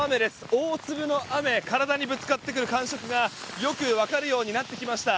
大粒の雨体にぶつかってくる感触がよくわかるようになってきました。